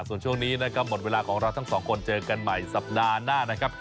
ส่วนช่วงนี้นะครับหมดเวลาของเราทั้งสองคนเจอกันใหม่สัปดาห์หน้านะครับ